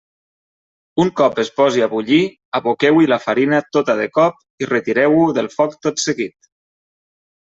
Un cop es posi a bullir, aboqueu-hi la farina tota de cop i retireu-ho del foc tot seguit.